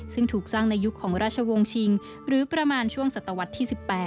ซึ่งถูกสร้างในยุคของราชวงศ์ชิงหรือประมาณช่วงศตวรรษที่๑๘